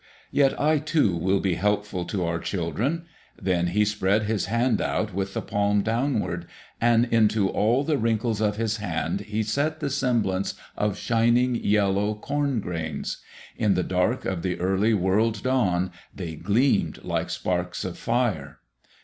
Yet I, too, will be helpful to our children." Then he spread his hand out with the palm downward and into all the wrinkles of his hand he set the semblance of shining yellow corn grains; in the dark of the early world dawn they gleamed like sparks of fire.